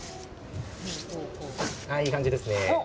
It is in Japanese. いい感じですね。